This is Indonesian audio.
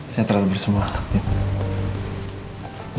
saya terlalu bersemangat